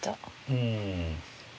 うん。